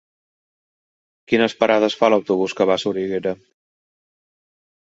Quines parades fa l'autobús que va a Soriguera?